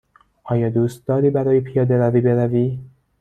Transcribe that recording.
آیا دوست داری برای پیاده روی بروی؟